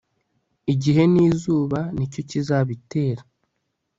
igihe n'izuba nicyo kizabitera